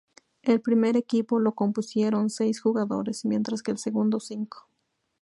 El primer equipo lo compusieron seis jugadores, mientras que el segundo cinco.